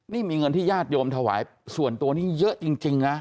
นี่มีเงินที่ญาติโยมถวายส่วนตัวนี้เยอะจริงนะ